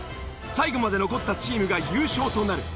最後まで残ったチームが優勝となる。